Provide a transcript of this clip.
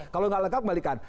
kalau nggak lengkap kembalikan